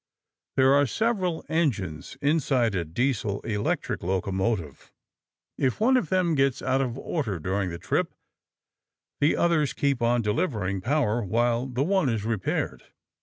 There are several engines inside a Diesel electric locomotive. If one of them gets out of order during the trip, the others keep on delivering power while the one is repaired.